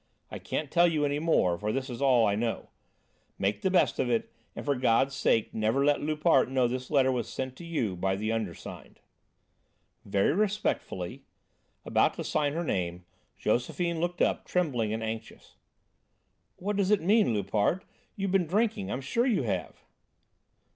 I can't tell you any more, for this is all I know. Make the best of it, and for God's sake never let Loupart know the letter was sent to you by the undersigned. "Very respectfully," About to sign her name, Josephine looked up, trembling and anxious. "What does it mean, Loupart? You've been drinking, I'm sure you have!"